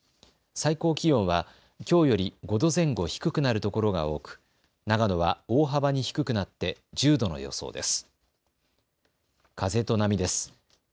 最高気温はきょうより５度前後低くなるところが多く長野は大幅に低くなって１０度の予想です。